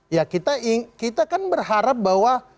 ya kita kan berharap bahwa